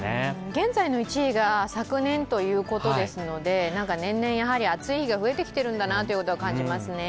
現在の１位が昨年ということですので年々やはり暑い日が増えてきているんだなと感じますね。